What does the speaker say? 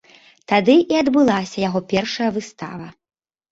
Тады і адбылася яго першая выстава.